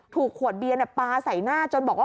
ถูกขวดเบียนปลาใส่หน้าจนบอกว่า